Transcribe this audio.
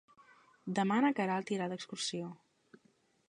Demà na Queralt irà d'excursió.